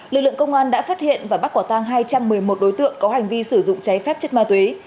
lực lượng công an đã phát hiện và bắt quả tang hai trăm một mươi một đối tượng có hành vi sử dụng cháy phép chất ma túy